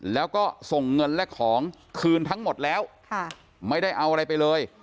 แล้วก็ส่งเงินและของคืนทั้งหมดแล้วไม่ได้เอาอะไรไปเลย